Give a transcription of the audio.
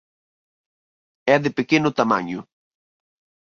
É de pequeno tamaño.